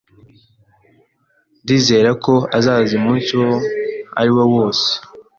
Ndizera ko azaza umunsi uwo ari wo wose.